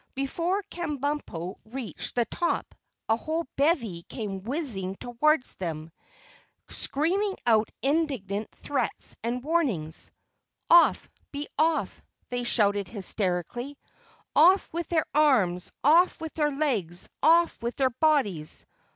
Before Kabumpo reached the top, a whole bevy came whizzing toward them, screaming out indignant threats and warnings. "Off, be off!" they shouted hysterically. "Off with their arms, off with their legs, off with their bodies!